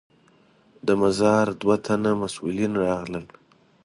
د مزار دوه تنه مسوولین راغلل.